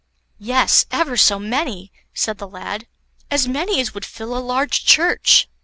"Yes, ever so many," said the lad, "as many as would fill a large church."